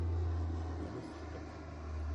nunurtuq